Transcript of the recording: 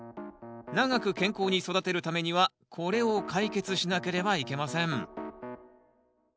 長く健康に育てるためにはこれを解決しなければいけません。